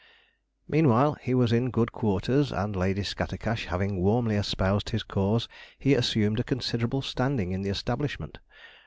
Meanwhile, he was in good quarters, and Lady Scattercash having warmly espoused his cause, he assumed a considerable standing in the establishment.